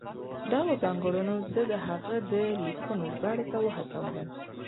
دغو ځانګړنو زه د هغه د لیکنو ژباړې ته وهڅولم.